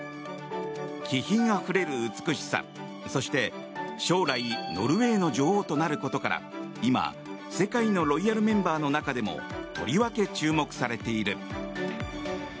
気品あふれる美しさそして将来ノルウェーの女王となることから今世界のロイヤルメンバーの中でもとりわけ注目されている。